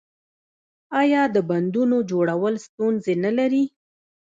آیا د بندونو جوړول ستونزې نلري؟